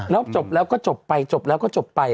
แล้วจบแล้วก็จบไปจบแล้วก็จบไป